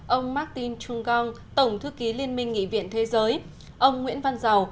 ông marty chunkung tổng thư ký liên minh nghị viện thế giới ông nguyễn văn giàu